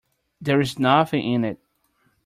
There's nothing in it.